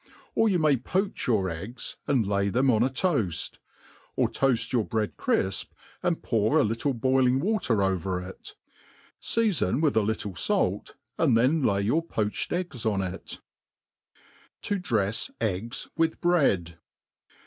Or yoa may poach your eggs, and lay them on a toafl | or toaft your bread crifp, and pour a littk boiling water over it $ fea&mwith a little fait, and then lay your poached eggs on iu To drefi Eggs with Bread.